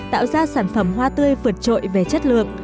tạo ra sản phẩm hoa tươi vượt trội về chất lượng